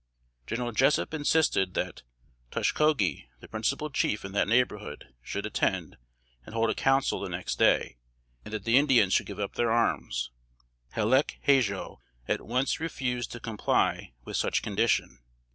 General Jessup insisted that "Toshkogee," the principal chief in that neighborhood, should attend, and hold a Council the next day; and that the Indians should give up their arms. Hallec Hajo at once refused to comply with such condition.